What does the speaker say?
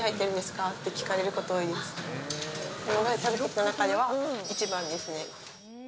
今まで食べてきた中では一番ですね。